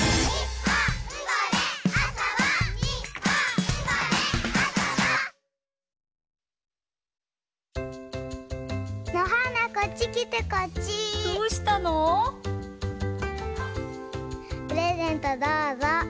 プレゼントどうぞ。